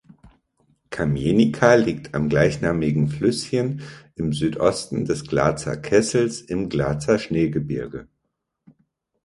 Kamienica liegt am gleichnamigen Flüsschen im Südosten des Glatzer Kessels im Glatzer Schneegebirge.